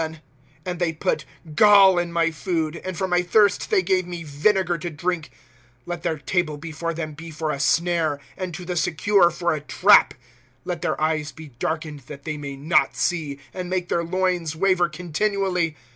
Google '1 And they put gall in my food, And for my thirst they gave me vinegar to drink. ^'^ Let their table before them be for a snare, And to the secure for a trap. 53 Let their eyes be darkened, that they may not see, And make their loins waver continually.